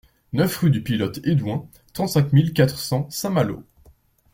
neuf rue du Pilote Hédouin, trente-cinq mille quatre cents Saint-Malo